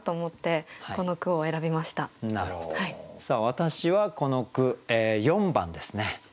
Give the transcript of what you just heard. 私はこの句４番ですね。